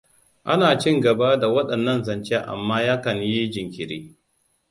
Ana cin gaba da waɗannan zance amma ya kan yi jinkiri.